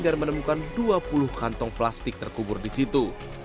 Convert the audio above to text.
dan menemukan dua puluh kantong plastik terkubur di situ